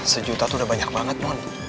sejuta tuh udah banyak banget